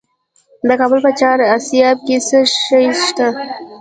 د کابل په چهار اسیاب کې څه شی شته؟